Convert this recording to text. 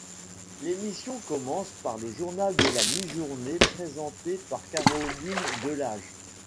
L'émission commence par le journal de la mi-journée présenté par Caroline Delage.